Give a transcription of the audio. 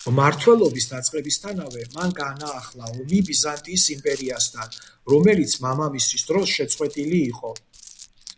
მმართველობის დაწყებისთანავე, მან განაახლა ომი ბიზანტიის იმპერიასთან, რომელიც მამამისის დროს შეწყვეტილი იყო.